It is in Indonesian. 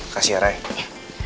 kasih ya ray